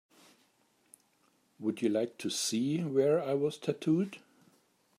Would you like to see where I was tattooed?